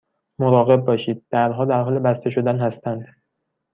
مراقب باشید، درها در حال بسته شدن هستند.